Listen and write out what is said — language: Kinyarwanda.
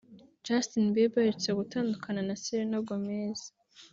Justin Bieber aherutse gutandukana na Selena Gomez